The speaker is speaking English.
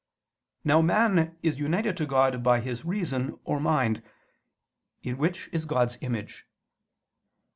Now man is united to God by his reason or mind, in which is God's image.